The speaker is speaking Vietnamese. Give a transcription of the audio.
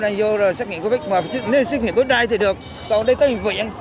đang vô rồi xét nghiệm covid một mươi chín nếu xét nghiệm covid một mươi chín thì được còn đây có bệnh viện